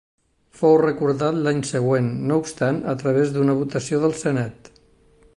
Fou recordat l'any següent, no obstant, a través d'una votació del senat.